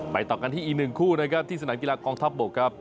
ต่อกันที่อีกหนึ่งคู่นะครับที่สนามกีฬากองทัพบกครับ